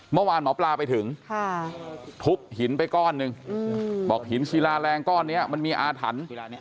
เมื่อวานหมอปลาไปถึงทุบหินไปก้อนหนึ่งบอกหินศิลาแรงก้อนนี้มันมีอาถรรพ์